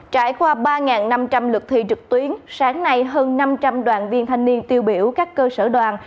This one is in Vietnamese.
trải qua ba năm trăm linh lượt thi trực tuyến sáng nay hơn năm trăm linh đoàn viên thanh niên tiêu biểu các cơ sở đoàn